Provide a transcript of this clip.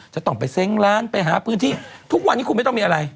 จะต้องไปเซ้งร้านไปหาพื้นที่ทุกวันนี้คุณไม่ต้องมีอะไร